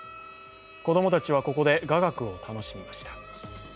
子供たちはここで雅楽を楽しみました。